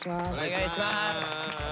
お願いします。